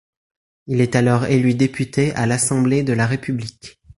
Il est alors élu député à l'Assemblée de la République.